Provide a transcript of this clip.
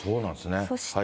そして。